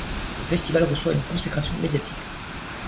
Le festival reçoit une consécration médiatique.